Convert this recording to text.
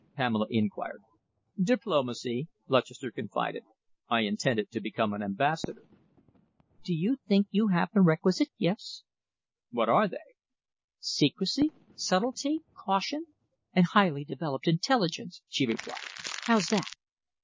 Pamela inquired. "Diplomacy," Lutchester confided. "I intended to become an ambassador." "Do you think you have the requisite gifts?" "What are they?" "Secrecy, subtlety, caution, and highly developed intelligence," she replied. "How's that?"